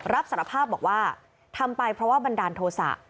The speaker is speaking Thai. รับสารภาพบอกว่าทำไปเพราะว่าบันดาลโทษะ